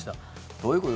どういうこと？